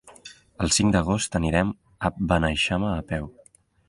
El cinc d'agost anirem a Beneixama a peu.